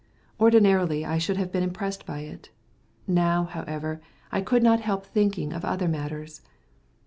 Ordinarily I should have been impressed by it. Now, however, I could not help thinking of other matters.